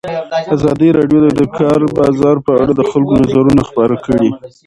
ازادي راډیو د د کار بازار په اړه د خلکو نظرونه خپاره کړي.